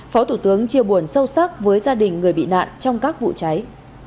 phó thủ tướng chia buồn sâu sắc với gia đình người bị nạn trong các vụ cháy